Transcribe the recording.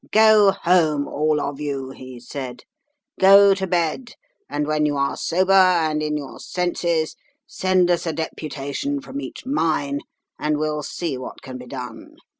"'Go home, all of you' he said; 'go to bed; and when you are sober and in your senses, send us a deputation from each mine, and we'll see what can be done.